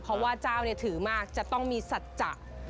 เพราะว่าเจ้าเนี่ยถือมากจะต้องมีสัจจะ